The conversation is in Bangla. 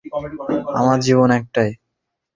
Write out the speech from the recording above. আমার জীবন একটাই!